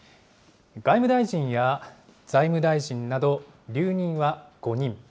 外務大臣や財務大臣など、留任は５人。